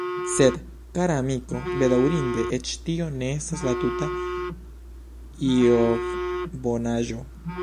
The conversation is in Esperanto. Sed, kara amiko, bedaŭrinde eĉ tio ne estas la tuta Ijobnovaĵo.